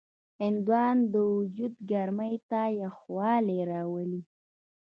هندوانه د وجود ګرمۍ ته یخوالی راولي.